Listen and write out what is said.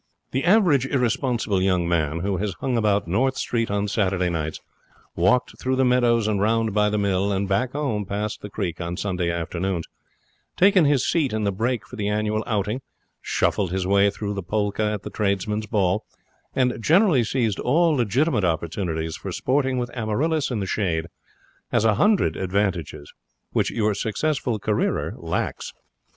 The average irresponsible young man who has hung about North Street on Saturday nights, walked through the meadows and round by the mill and back home past the creek on Sunday afternoons, taken his seat in the brake for the annual outing, shuffled his way through the polka at the tradesmen's ball, and generally seized all legitimate opportunities for sporting with Amaryllis in the shade, has a hundred advantages which your successful careerer lacks.